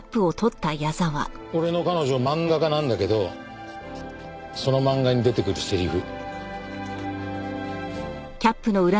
俺の彼女漫画家なんだけどその漫画に出てくるセリフ。